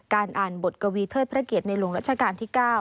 อ่านบทกวีเทิดพระเกียรติในหลวงรัชกาลที่๙